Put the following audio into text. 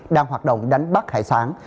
đang hoạt động đánh bắt hải sản